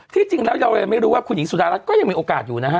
จริงแล้วเรายังไม่รู้ว่าคุณหญิงสุดารัฐก็ยังมีโอกาสอยู่นะฮะ